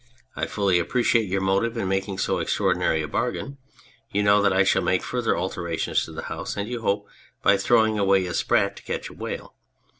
I fully appreciate your motive in making so extraordinary a bargain : you know that I shall make further alterations to the house, and you hope by throwing away a sprat to catch a whale.